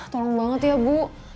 tolong banget ya bu